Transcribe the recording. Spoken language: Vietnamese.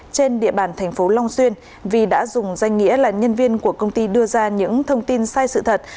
trên địa bàn tp long xuyên vì đã dùng danh nghĩa là nhân viên của công ty đưa ra những thông tin sai sự thật